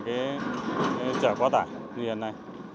cái trở quá tải như hiện nay